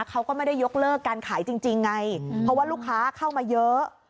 เขาก็ไม่ได้ยกเลิกการขายจริงไงเพราะว่าลูกค้าเข้ามาเยอะ